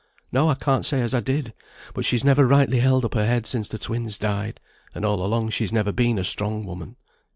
"No, I can't say as I did. But she's never rightly held up her head since the twins died; and all along she has never been a strong woman."